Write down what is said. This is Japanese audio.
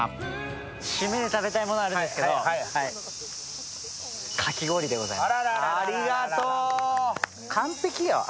締めに食べたいものあるんですけれども、かき氷でございます。